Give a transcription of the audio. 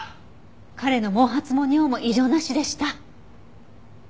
彼の毛髪も尿も異常なしでした。